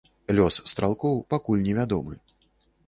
Лёс стралкоў пакуль невядомы.